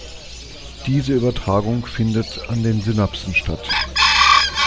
Diese Übertragung findet an den Synapsen statt.